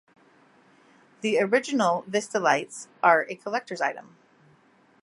The original Vistalites are a collectors item.